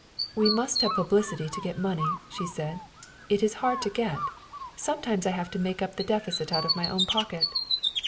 "We must have publicity to get money," she said. "It is hard to get. Sometimes I have had to make up the deficit out of my own pocket."